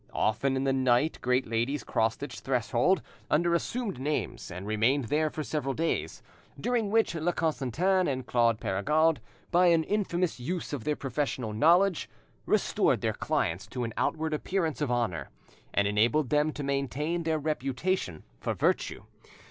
Often in the night great ladies crossed its threshold under assumed names and remained there for several days, during which La Constantin and Claude Perregaud, by an infamous use of their professional knowledge, restored their clients to an outward appearance of honour, and enabled them to maintain their reputation for virtue.